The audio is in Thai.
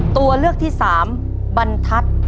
ตัวเลือกที่๓บรรทัศน์